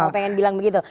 pengen bilang begitu